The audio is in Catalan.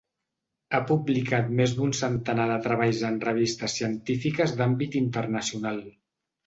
Ha publicat més d’un centenar de treballs en revistes científiques d’àmbit internacional.